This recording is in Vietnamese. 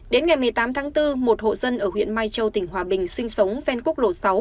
đến ngày một mươi tám tháng bốn một hộ dân ở huyện mai châu tỉnh hòa bình sinh sống ven quốc lộ sáu